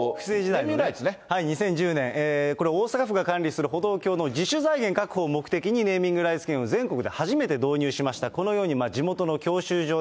２０１０年、これ、大阪府が管理する歩道橋の自主財源を目的にネーミングライツ権を、全国で導入しました。